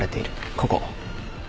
ここ。